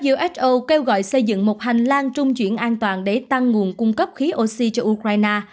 uso kêu gọi xây dựng một hành lang trung chuyển an toàn để tăng nguồn cung cấp khí oxy cho ukraine